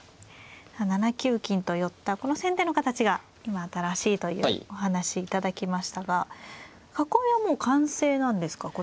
７九金と寄ったこの先手の形が今新しいというお話頂きましたが囲いはもう完成なんですかこれで。